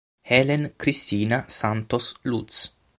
Helen Cristina Santos Luz